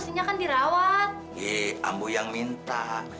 berarti ibu aku juga